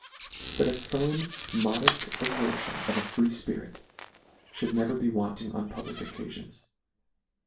But a firm, modeft exertion of a free fpirit, lhould never be wanting on public occafions.